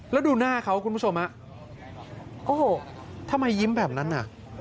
แล้วดูหน้าเขาคุณผู้ชมฮะโอ้โหทำไมยิ้มแบบนั้นน่ะ